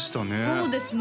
そうですね